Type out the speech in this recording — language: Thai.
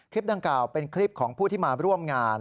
ดังกล่าวเป็นคลิปของผู้ที่มาร่วมงาน